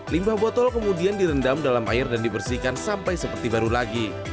limbah botol kemudian direndam dalam air dan dibersihkan sampai seperti baru lagi